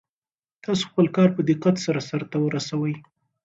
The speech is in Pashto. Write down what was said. تاسو خپل کار په دقت سره سرته ورسوئ.